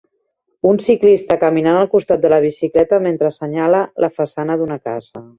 Un ciclista caminant al costat de la bicicleta mentre assenyala la façana d'una casa.